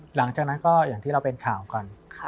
หลังจากนั้นก็อย่างที่เราเป็นข่าวกัน